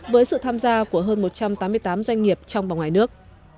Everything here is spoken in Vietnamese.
với sự tham gia của hơn một trăm tám mươi tám doanh nghiệp trong và ngoài nước